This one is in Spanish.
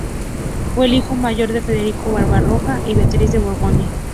Fue el hijo mayor de Federico Barbarroja y Beatriz de Borgoña.